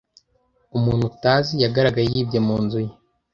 Umuntu utazi yagaragaye yibye mu nzu ye.